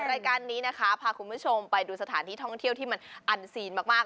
รายการนี้นะคะพาคุณผู้ชมไปดูสถานที่ท่องเที่ยวที่มันอันซีนมาก